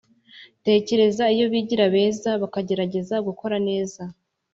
Tekereza iyo bigira beza! Bagerageza gukora neza.